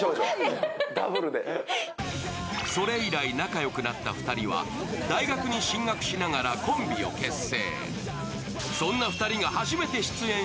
それ以来、仲よくなった２人は、大学に進学しながらコンビを結成。